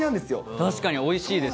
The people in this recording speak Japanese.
確かにおいしいです。